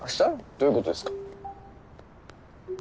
どういうことですか？